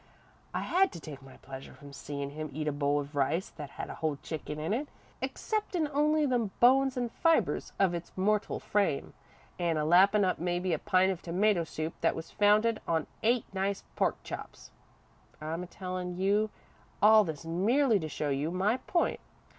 I had to take my pleasure from seein' him eat a bowl of rice that had a whole chicken in it, exceptin' only the bones and fibres of its mortal frame, an' a lappin' up mebbe a pint of tomato soup that was founded on eight nice pork chops. I'm a tellin' you all this merely to show you my point.